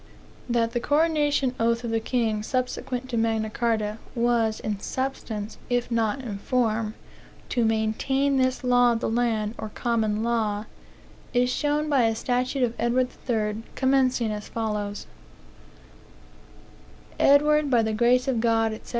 That the coronation oath of the kings subsequent to Magna Carta was, in substance, if not in form, "to maintain this law of the land, or common law," is shown by a statute of Edward Third, commencing as follows: "Edward, by the Grace of God, ect.